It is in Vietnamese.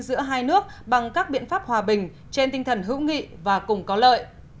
giữa hai nước bằng các biện pháp hòa bình trên tinh thần hữu nghị và cùng có lợi